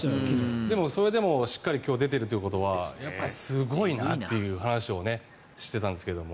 でも、それでもしっかり今日出てるということはすごいなっていう話をしていたんですけども。